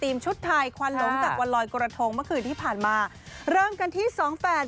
ชุดไทยควันหลงจากวันลอยกระทงเมื่อคืนที่ผ่านมาเริ่มกันที่สองแฝด